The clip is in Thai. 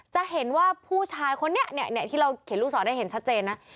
จะเห็นว่าผู้ชายคนนี้เนี่ยที่เราเขียนลูกศรได้เห็นชัดเจนนะ